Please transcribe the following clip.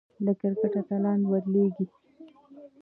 د کرکټ اتلان بدلېږي.